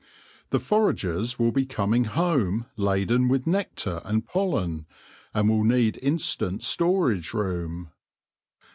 The foragers will be coming home laden with nectar and pollen, and will need instant storage room.